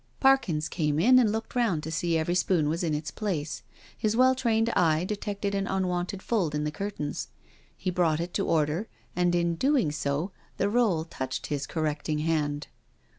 Parkins came in and looked round to see every spoon was in its place. His well trained eye detected an un}¥onted fold in the curtain. He brought it to order, and in doing so the roll touched his correcting hand.